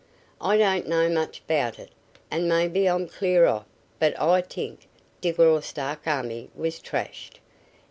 I don't know much 'bout it, an' maybe I'm clear off but I t'ink d' Graustark army was trashed.